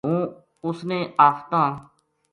جے ہوں اس نے آفتاں